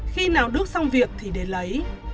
khi nào đức xong việc thì để lấy